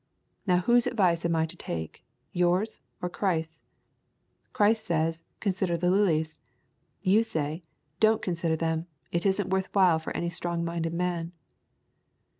Now, whose advice am I to take, yours or Christ's? Christ says, 'Consider the lilies.' You say, 'Don't consider them. It is n't worth while for any strong minded man.